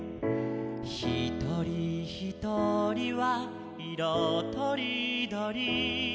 「ひとりひとりはいろとりどり」